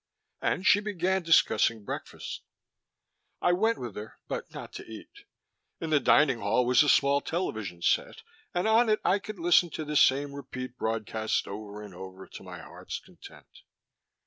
And she began discussing breakfast. I went with her, but not to eat; in the dining hall was a small television set, and on it I could listen to the same repeat broadcasts over and over to my heart's content.